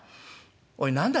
「おい何だ？